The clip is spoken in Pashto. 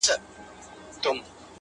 زلفي يې زما پر سر سايه جوړوي;